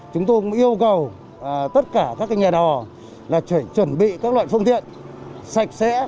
chúng tôi yêu cầu tất cả các nhà đò là chuẩn bị các loại phương tiện sạch sẽ